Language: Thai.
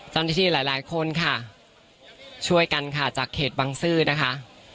เจ้าหน้าที่หลายหลายคนค่ะช่วยกันค่ะจากเขตบังซื้อนะคะ